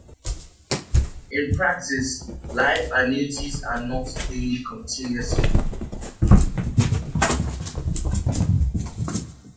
In practice life annuities are not paid continuously.